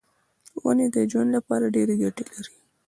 ونې د ژوند لپاره ډېرې ګټې لري.